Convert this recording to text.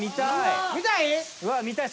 見たい？